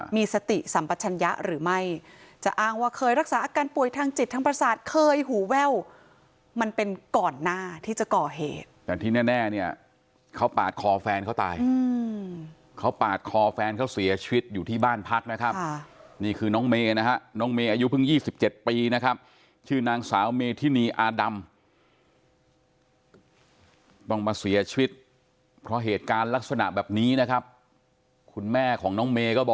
มีสติสัมปัชญะหรือไม่จะอ้างว่าเคยรักษาอาการป่วยทางจิตทั้งประสาทเคยหูแว่วมันเป็นก่อนหน้าที่จะก่อเหตุแต่ที่แน่แน่เนี่ยเขาปาดคอแฟนเขาตายอืมเขาปาดคอแฟนเขาเสียชีวิตอยู่ที่บ้านพัดนะครับค่ะนี่คือน้องเมนะฮะน้องเมอายุเพิ่งยี่สิบเจ็ดปีนะครับชื่อนางสาวเมธินีอาดัมต้องมาเสียชีว